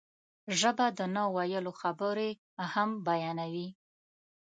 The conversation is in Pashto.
ژبه د نه ویلو خبرې هم بیانوي